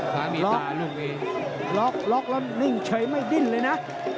ฟ้ามีตาลุ้งนี้ล็อกล็อกแล้วนิ่งเฉยไม่ดิ้นเลยนะ